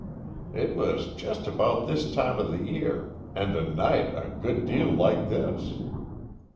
It was jest ebout this time o' the year and a night a good deal like this.